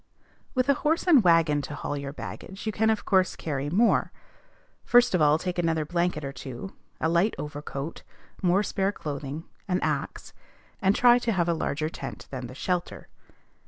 With a horse and wagon to haul your baggage you can of course carry more. First of all take another blanket or two, a light overcoat, more spare clothing, an axe, and try to have a larger tent than the "shelter."